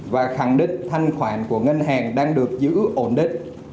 và khẳng định thanh khoản của ngân hàng đang được giữ ổn định